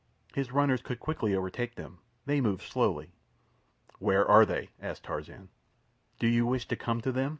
His runners could quickly overtake them—they move slowly." "Where are they?" asked Tarzan. "Do you wish to come to them?"